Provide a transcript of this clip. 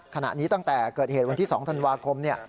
ขณะนี้ตั้งแต่เกิดเหตุวันที่๒ธันวาคม